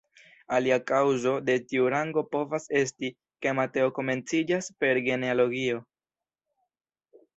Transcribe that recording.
Alia kaŭzo de tiu rango povas esti, ke Mateo komenciĝas per genealogio.